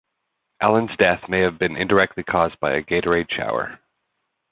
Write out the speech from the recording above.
Allen's death may have been indirectly caused by a Gatorade shower.